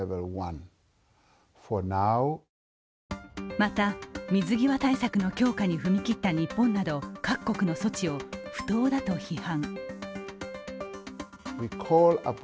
また水際対策の強化に踏み切った日本など各国の措置を不当だと批判。